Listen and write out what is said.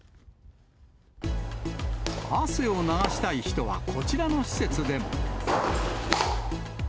汗を流したい人はこちらの施設でも。